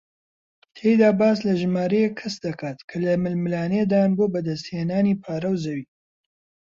تێیدا باس لە ژمارەیەک کەس دەکات کە لە ململانێدان بۆ بەدەستهێنانی پارە و زەوی